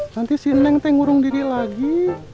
nanti si neng tenggurung diri lagi